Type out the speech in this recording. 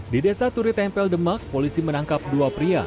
di desa turitempel demak polisi menangkap dua pria